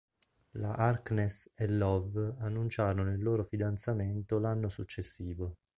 La Harkness e Love annunciarono il loro fidanzamento l'anno successivo.